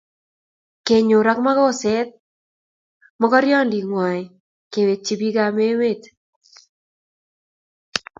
kenyor ak makoset makornandit nguay kewekchi pik ap emet